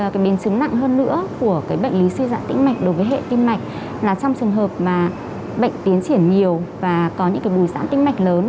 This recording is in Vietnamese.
và biến chứng nặng hơn nữa của bệnh lý suy giãn tĩnh mạch đối với hệ tĩnh mạch là trong trường hợp mà bệnh tiến triển nhiều và có những bùi giãn tĩnh mạch lớn